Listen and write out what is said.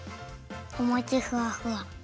おもちふわふわ。